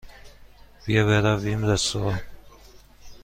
بیا برویم رستوران.